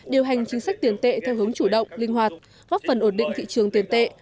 điều hành chính sách tiền tệ theo hướng chủ động linh hoạt góp phần ổn định thị trường tiền tệ